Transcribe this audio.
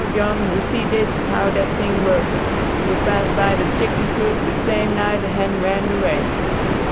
John we see dis how dat ting work, you pass by de chicken coop de same night de hen went away."